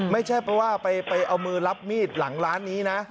ไม่ใช่เพราะว่าไปเอามือรับมีดหลังร้านนี้นะ